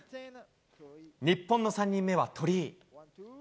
日本の３人目は鳥居。